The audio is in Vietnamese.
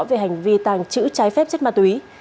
về hành vi tàng trữ trái phép chất ma túy